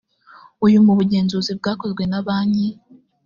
uye mu bugenzuzi bwakozwe na banki